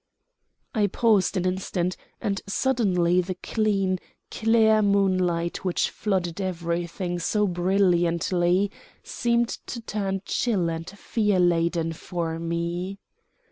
I paused an instant, and suddenly the clean, clear moonlight which flooded everything so brilliantly seemed to turn chill and fear laden for me.